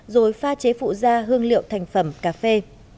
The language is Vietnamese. rồi pha chế phụ da hương liệu thành phẩm cà phê